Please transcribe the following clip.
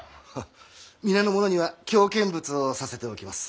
皆の者には京見物をさせておきます。